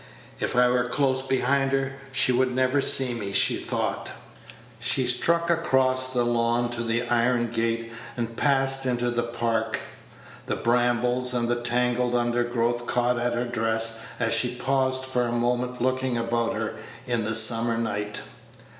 "If I were close behind her, she would never see me," she thought. She struck across the lawn to the iron gate, and passed into the Park. The brambles and the tangled undergrowth caught at her dress as she paused for a moment looking about her in the summer night.